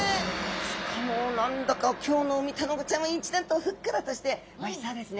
しかも何だか今日のウミタナゴちゃんは一段とふっくらとしておいしそうですね。